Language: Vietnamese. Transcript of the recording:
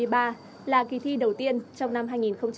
vì vậy cách ra đề đã có những điều chỉnh cho phù hợp với tình hình thực tiễn